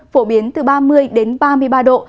phổ biến từ ba mươi đến ba mươi ba độ